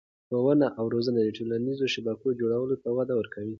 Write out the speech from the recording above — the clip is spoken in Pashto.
ښوونه او روزنه د ټولنیزو شبکو جوړولو ته وده ورکوي.